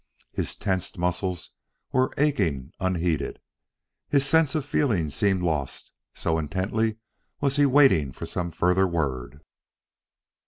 His tensed muscles were aching unheeded; his sense of feeling seemed lost, so intently was he waiting for some further word.